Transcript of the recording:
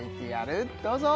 ＶＴＲどうぞ！